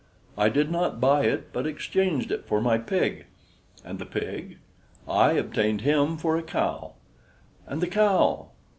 "I did not buy it, but exchanged it for my pig." "And the pig?" "I obtained him for a cow." "And the cow?"